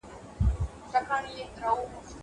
زه به اوږده موده ونې ته اوبه ورکړې وم!